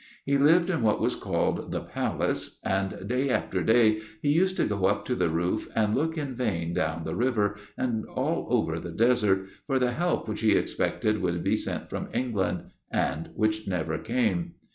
He lived in what was called the 'Palace,' and day after day he used to go up to the roof, and look in vain down the river, and all over the desert, for the help which he expected would be sent from England, and which never came.